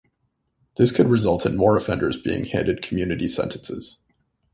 This could result in more offenders being handed community sentences.